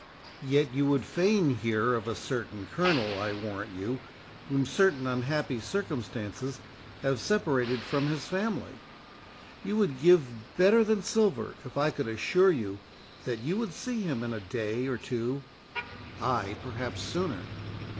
"Yet you would fain hear of a certain Colonel, I warrant you, whom certain unhappy circumstances have separated from his family; you would give better than silver if I could assure you that you would see him in a day or two—ay, perhaps, sooner."